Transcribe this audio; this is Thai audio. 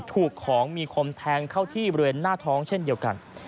ถูกของมีคมแทงเข้าที่บริเวณหน้าท้องเช่นเดียวกัน